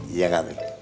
iya gak peh